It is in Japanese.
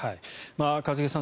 一茂さん